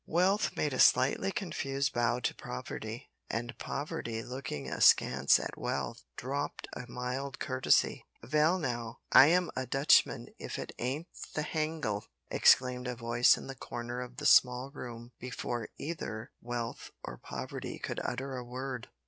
Wealth made a slightly confused bow to Poverty, and Poverty, looking askance at Wealth, dropt a mild courtesy. "Vell now, I'm a Dutchman if it ain't the hangel!" exclaimed a voice in the corner of the small room, before either Wealth or Poverty could utter a word.